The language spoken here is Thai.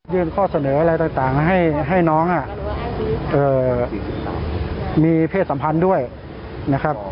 ข้อเสนออะไรต่างให้น้องมีเพศสัมพันธ์ด้วยนะครับ